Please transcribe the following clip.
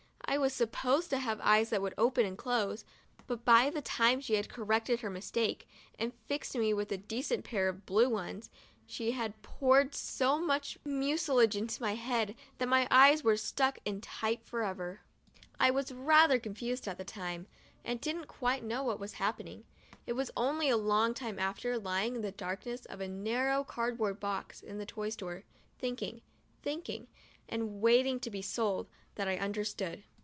I was sup posed to have eyes that would open and close, but by the time she had corrected her mistake, and fixed me with a decent pair of blue ones, she had poured so much mucilage into my head that my eyes were stuck in tight forever. I was rather confused at the time, and didn't quite know what "was happening; it was only a 10 MONDAY— MY FIRST BATH long time after, lying in the darkness of a narrow card board box in the toy store, thinking, thinking, and waiting to be sold — that I understood.